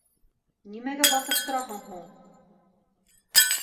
— Нимәгә баҫып тораһың һуң?